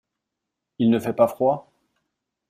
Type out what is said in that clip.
Il ne fait pas froid ?